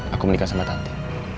aku menikah sama tanti